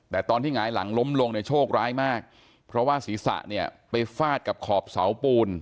แต่ตอนที่หงายหลังล้มลงเนี่ยโชคร้ายมากเพราะว่าศีรษะเนี่ยไปฟาดกับขอบเสาปูน